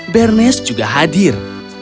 furnes juga hadir